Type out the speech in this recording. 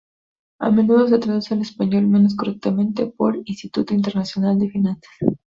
A menudo se traduce al español, menos correctamente, por "Instituto Internacional de Finanzas".